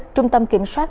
trung tâm kiểm soát